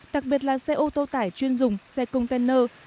đặc biệt là xe ô tô tải chuyên dùng xe container